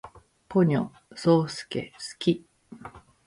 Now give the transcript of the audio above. ポニョ，そーすけ，好き